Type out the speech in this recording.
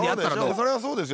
それはそうですよ。